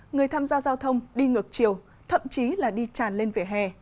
người tham gia giao thông đi ngược chiều thậm chí là đi tràn lên vỉa hè